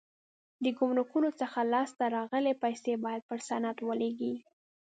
د ګمرکونو څخه لاس ته راغلي پیسې باید پر صنعت ولګېږي.